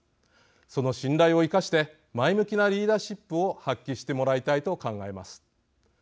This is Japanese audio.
その信頼を生かして前向きなリーダーシップを発揮してもらいたいと考えます。